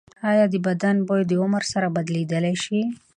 ایا د بدن بوی د عمر سره بدلیدلی شي؟